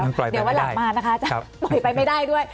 เดี๋ยววันหลังมานะคะจะปล่อยไปไม่ได้ด้วย